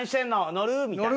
乗る？みたいな。